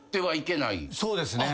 そうですね。